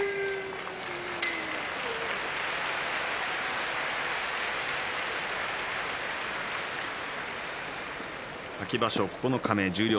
拍手秋場所九日目十両